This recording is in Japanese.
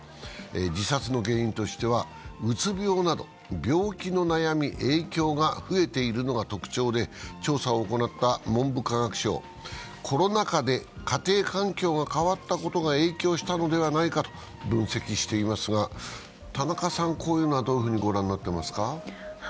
自殺の原因としては、うつ病など病気の悩み、影響が増えているのが特徴で調査を行った文部科学省、コロナ禍で家庭環境が変わったことが影響したのではないかと分析していますが、田中さん、こういうのはどういうふうに御覧になっていますか？